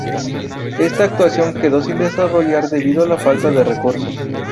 Esta actuación quedó sin desarrollar debido a la falta de recursos.